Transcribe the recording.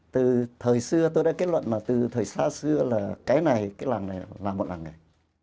từ thời xưa tôi đã kết luận là từ thời xa xưa là cái này cái làng này là một làng nghề